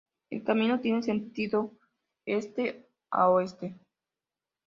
El camino tiene sentido este a oeste.